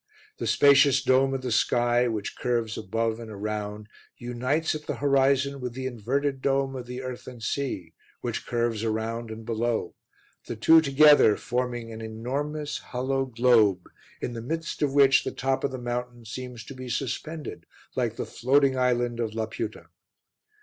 The spacious dome of the sky, which curves above and around, unites at the horizon with the inverted dome of the earth and sea, which curves around and below, the two together forming an enormous hollow globe in the midst of which the top of the mountain seems to be suspended like the floating island of Laputa.